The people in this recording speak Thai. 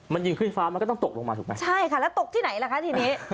มันยิงขึ้นฟ้ามันก็ต้องตกลงมาถูกไหมใช่ค่ะแล้วตกที่ไหนล่ะคะทีนี้